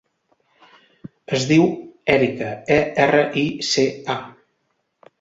Es diu Erica: e, erra, i, ce, a.